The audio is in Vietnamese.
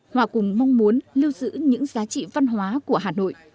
hòa cùng mong muốn lưu giữ những giá trị văn hóa của hà nội